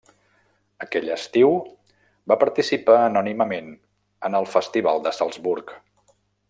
Aquell estiu, va participar anònimament en el Festival de Salzburg.